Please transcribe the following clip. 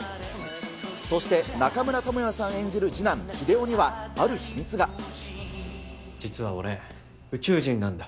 そして中村倫也さん演じる次男、実は俺、宇宙人なんだ。